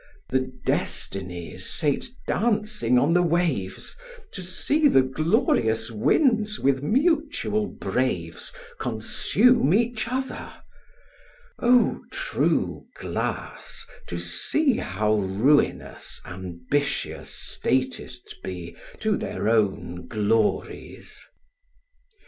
The Destinies sate dancing on the waves, To see the glorious Winds with mutual braves Consume each other: O, true glass, to see How ruinous ambitious statists be To their own glories!